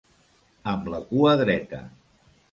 Amb la cua dreta.